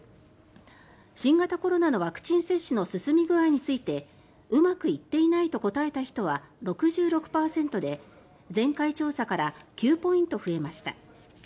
新型コロナのワクチン接種の進み具合についてうまくいっていないと答えた人は６６％で前回調査から９ポイント増えました。